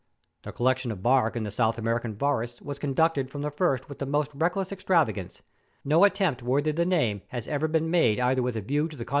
.. The collection of bark in the South American forests was conducted from the first with the most reckless extravagance : no attempt worthy the name has ever been made either with a view to the con 310 MOUNTAIN ADVENTURES.